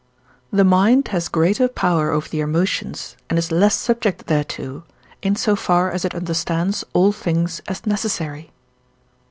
The mind has greater power over the emotions and is less subject thereto, in so far as it understands all things as necessary.